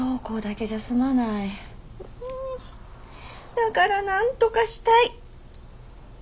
だからなんとかしたい。